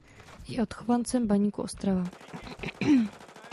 Je odchovancem Baníku Ostrava.